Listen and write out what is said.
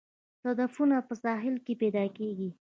صدفونه په ساحل کې پیدا کیږي